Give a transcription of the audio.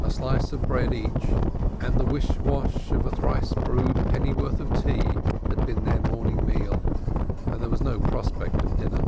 A slice of bread each and the wish wash of a thrice brewed pennyworth of tea had been their morning meal, and there was no prospect of dinner.